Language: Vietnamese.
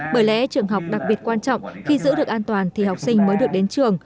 bởi lẽ trường học đặc biệt quan trọng khi giữ được an toàn thì học sinh mới được đến trường